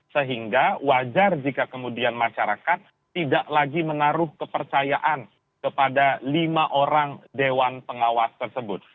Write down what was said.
sehingga wajar jika kemudian masyarakat tidak lagi menaruh kepercayaan kepada lima orang dewan pengawas tersebut